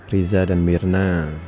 riza dan myrna